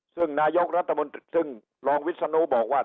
ซึ่งนายกรัฐมนตรีซึ่งรองวิศนุบอกว่า